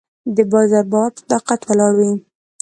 د بازار باور په صداقت ولاړ وي.